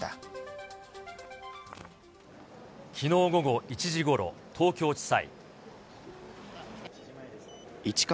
きのう午後１時ごろ、東京地裁。